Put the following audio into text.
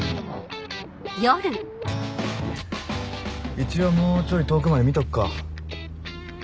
一応もうちょい遠くまで見とくか。